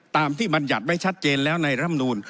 ตามที่บรรยัติไว้ชัดเจนแล้วในร่ำนูล